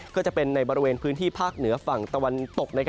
ก็จะเป็นในบริเวณพื้นที่ภาคเหนือฝั่งตะวันตก